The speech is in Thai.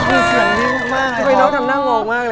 คุณเสียงนี้มาก